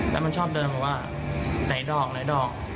แล้วมันชอบเดินบอกว่าไหนดอกไหนดอก